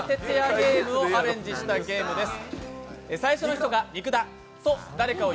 ゲームをアレンジしたゲームです。